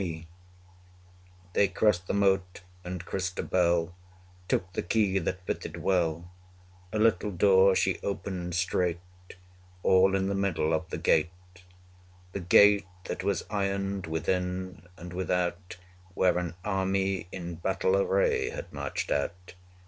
They crossed the moat, and Christabel Took the key that fitted well; A little door she opened straight, 125 All in the middle of the gate; The gate that was ironed within and without, Where an army in battle array had marched out.